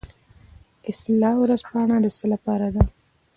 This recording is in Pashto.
اصلاح ورځپاڼه د څه لپاره ده؟